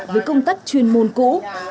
với công tác chuyên môn cũ